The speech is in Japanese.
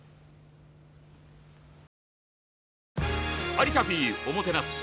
「有田Ｐおもてなす」。